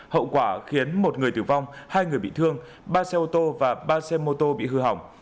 hậu quả khiến một người tử vong hai người bị thương ba xe ô tô và ba xe mô tô bị hư hỏng